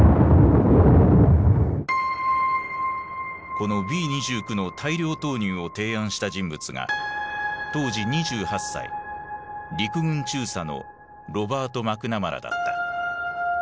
このＢー２９の大量投入を提案した人物が当時２８歳陸軍中佐のロバート・マクナマラだった。